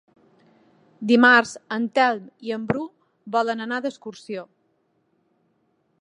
Dimarts en Telm i en Bru volen anar d'excursió.